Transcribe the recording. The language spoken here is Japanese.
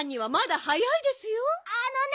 あのね